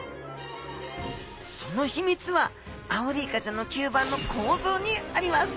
その秘密はアオリイカちゃんの吸盤の構造にあります